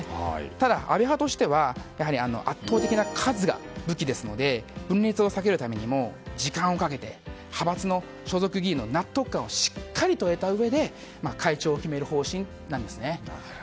ただ、安倍派としてはやはり圧倒的な数が武器ですので分裂を避けるためにも時間をかけて派閥の所属議員の納得感をしっかり得たうえで会長を決める方針です。